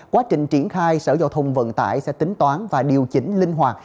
quá trình triển khai sở giao thông vận tải sẽ tính toán và điều chỉnh linh hoạt